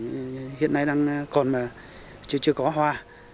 thì hiện nay đang còn mà chưa có hoa